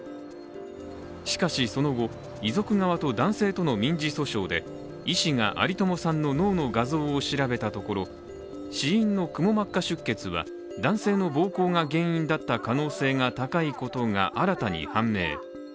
しかしその後、遺族側と男性との民事訴訟で医師が有友さんの脳の画像を調べたところ死因のくも膜下出血は、男性の暴行が原因だった可能性が高いことが新たに判明。